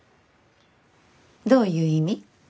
どういう意味？